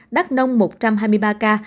đắk nông một trăm hai mươi ba ca